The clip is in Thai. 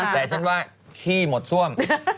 แต่ฉันว่าขี้หมดซ่วม